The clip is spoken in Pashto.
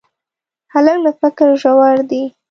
هلک له فکره ژور دی.